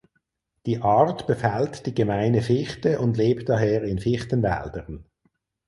Die Art befällt die Gemeine Fichte und lebt daher in Fichtenwäldern.